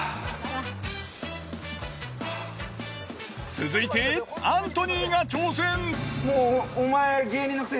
続いてアントニーが挑戦。